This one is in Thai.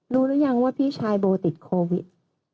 รู้หรือยังว่าพี่ชายโบติดโควิด